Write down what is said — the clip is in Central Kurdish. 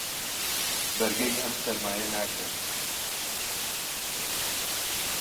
بەرگەی ئەم سەرمایە ناگرم.